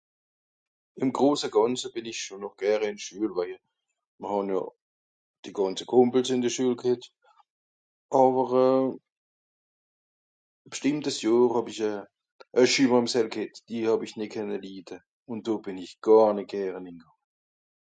ìm gròssgànze bìn ìsch schòn nòr ìn d'Schuel waije mr hàne die gànze Kòmbels ìn de Schuel g'hett àwer euh b'stìmmtes Johr hàb'isch à Schülmàmsel g'hett die hàb isch nìt kenne liete ùn dò bìn isch gàr nìt gere nem